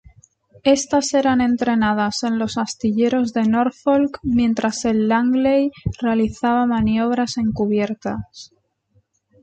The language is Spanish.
Estas eran entrenadas en los astilleros de Norfolk mientras el Langley realizaba maniobras encubiertas.